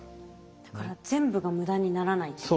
だから全部が無駄にならないってことですね。